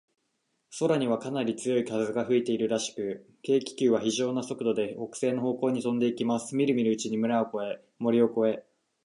空には、かなり強い風が吹いているらしく、軽気球は、ひじょうな速度で、北西の方向にとんでいます。みるみるうちに村を越え、森を越え、